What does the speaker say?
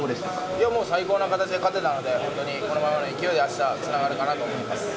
いやもう、最高の形で勝てたので、本当にこのままの勢いであした、つながるかなと思います。